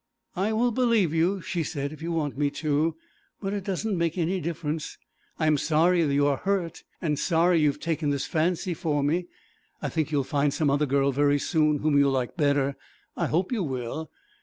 'I will believe you,' she said, 'if you want me to, but it doesn't make any difference; I am sorry you are hurt, and sorry you have taken this fancy for me. I think you will find some other girl very soon whom you will like better; I hope you will.